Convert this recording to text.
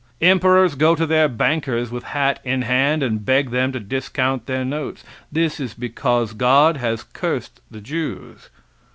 Emperors go to their bankers with hats in hand and beg them to discount their notes. This is because God has cursed the Jews.